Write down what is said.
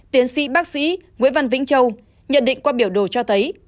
tiến sĩ bác sĩ nguyễn văn vĩnh châu nhận định qua biểu đồ cho thấy